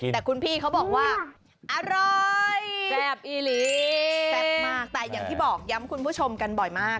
แต่คุณพี่เขาบอกว่าอร่อยแซ่บอีลีแซ่บมากแต่อย่างที่บอกย้ำคุณผู้ชมกันบ่อยมาก